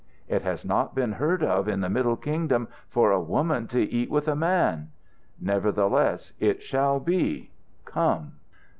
"It has not been heard of in the Middle Kingdom for a woman to eat with a man." "Nevertheless, it shall be. Come!"